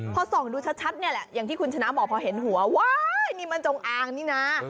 พอส่องดูชัดเนี่ยแหละอย่างที่คุณชนะบอกพอเห็นหัวว้ายนี่มันจงอางนี่นะ